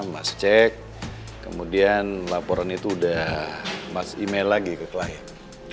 mas cek kemudian laporan itu udah mas email lagi ke klien